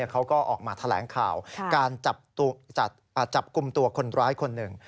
เขาก็ออกมาแถลงข่าวการจับกลุ่มตัวคนร้ายคนหนึ่ง